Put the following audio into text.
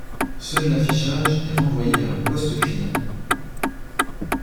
Seul l'affichage est renvoyé vers le poste client.